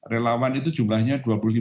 relawan itu jumlahnya dua puluh lima